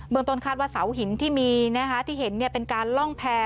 เมืองต้นคาดว่าเสาหินที่มีที่เห็นเป็นการล่องแพร่